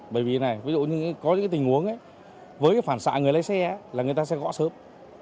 bởi vì này ví dụ như có những tình huống với phản xạ người lái xe là người ta sẽ gõ sớm